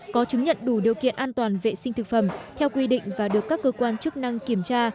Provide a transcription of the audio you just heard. có chứng nhận đủ điều kiện an toàn vệ sinh thực phẩm theo quy định và được các cơ quan chức năng kiểm tra